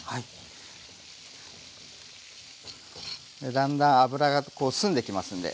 だんだん脂がこう澄んできますんで。